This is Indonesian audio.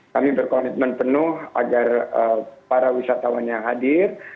kami berkomitmen penuh agar para wisatawan yang hadir